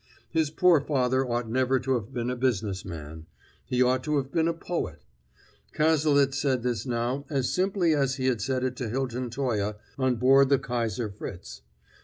His poor father ought never to have been a business man; he ought to have been a poet. Cazalet said this now as simply as he had said it to Hilton Toye on board the Kaiser Fritz.